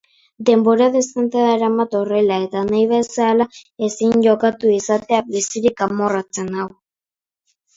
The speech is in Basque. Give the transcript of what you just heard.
Denbora dezente daramat horrela eta nahi bezala ezin jokatu izateak biziki amorratzen nau.